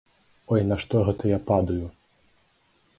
Ой, на што гэта я падаю?